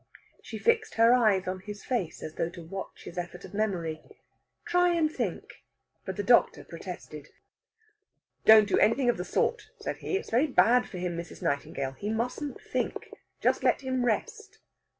She fixed her eyes on his face, as though to watch his effort of memory. "Try and think." But the doctor protested. "Don't do anything of the sort," said he. "It's very bad for him, Mrs. Nightingale. He mustn't think. Just let him rest."